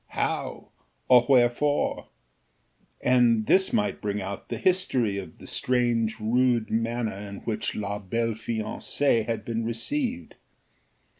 how? or wherefore? and this might bring out the history of the strange rude manner in which la belle fiancée had been received.